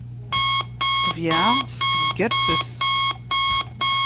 Ṭṭbiɛa s teggerses.